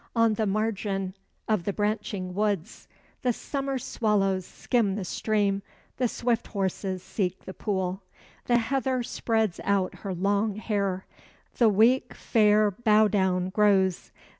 On the margin of the branching woods The summer swallows skim the stream: the swift horses seek the pool; The heather spreads out her long hair; the weak fair bow down grows.